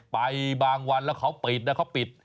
ไปบางวันแล้วเขาปิดนะเขาปิด